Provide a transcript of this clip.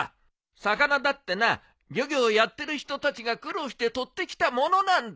魚だってな漁業をやってる人たちが苦労して取ってきた物なんだ。